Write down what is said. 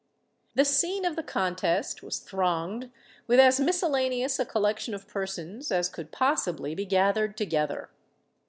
The scene of the contest was thronged with as miscellaneous a collection of persons as could possibly be gathered together.